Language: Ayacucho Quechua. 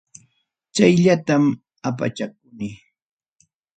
Chayllatam apachakuni.